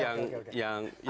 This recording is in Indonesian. yang kedua itu begini